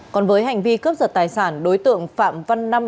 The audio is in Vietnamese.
còn với hành vi cướp giật tài sản đối tượng phạm văn năm